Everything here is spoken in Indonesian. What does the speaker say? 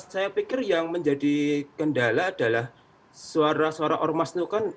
saya pikir yang menjadi kendala adalah suara suara ormas itu kan